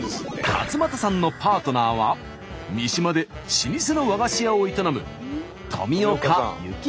勝俣さんのパートナーは三島で老舗の和菓子屋を営む